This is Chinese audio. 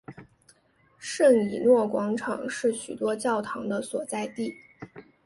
圣以诺广场是许多教堂的所在地。